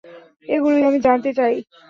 এগুলোই আমি জানতে চাই।